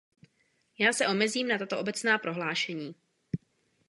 Já se omezím na tato obecná prohlášení.